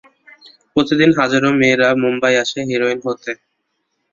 প্রতিদিন হাজারো মেয়েরা মুম্বাই আসে হিরোইন হতে।